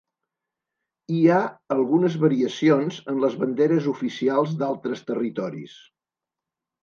Hi ha algunes variacions en les banderes oficials d'altres territoris.